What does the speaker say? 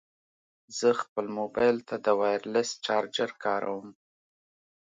زه خپل مبایل ته د وایرلیس چارجر کاروم.